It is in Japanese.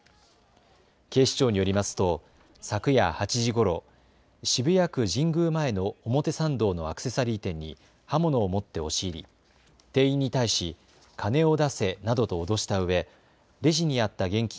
警視庁によりますと昨夜８時ごろ、渋谷区神宮前の表参道のアクセサリー店に刃物を持って押し入り、店員に対し金を出せなどと脅したうえレジにあった現金